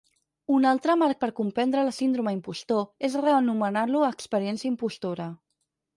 Un altre marc per comprendre la síndrome impostor és reanomenar-lo "experiència impostora".